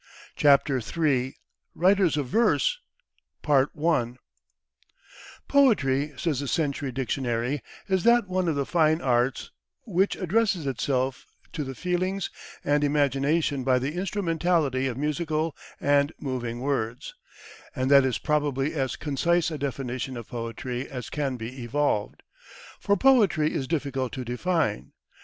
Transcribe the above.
CHAPTER III WRITERS OF VERSE "Poetry," says the Century dictionary, "is that one of the fine arts which addresses itself to the feelings and the imagination by the instrumentality of musical and moving words"; and that is probably as concise a definition of poetry as can be evolved. For poetry is difficult to define.